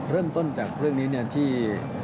เริ่มต้นจากเรื่องนี้ที่